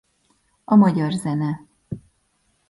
A magyar zene.